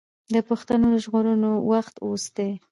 د پښتو د ژغورلو وخت اوس دی.